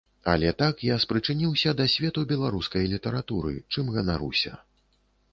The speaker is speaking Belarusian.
Але так я спрычыніўся да свету беларускай літаратуры, чым ганаруся.